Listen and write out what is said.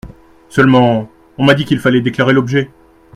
Seulement, on m’a dit qu’il fallait déclarer l’objet !…